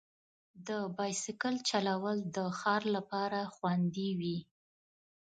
د بایسکل چلول د ښار لپاره خوندي وي.